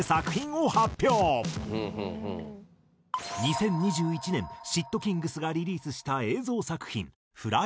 ２０２１年ｓ＊＊ｔｋｉｎｇｚがリリースした映像作品。